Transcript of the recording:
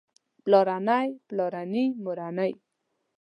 پلارنی پلارني مورنۍ